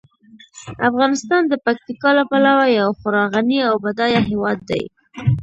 افغانستان د پکتیکا له پلوه یو خورا غني او بډایه هیواد دی.